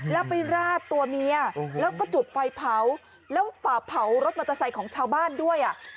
แล้วไปราดตัวเมียแล้วก็จุดไฟเผาแล้วฝ่าเผารถมอเตอร์ไซค์ของชาวบ้านด้วย